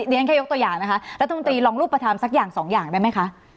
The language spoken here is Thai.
เรียนแค่ยกตัวอย่างนะคะรัฐมนตรีลองรูปธรรมสักอย่างสองอย่างได้ไหมคะ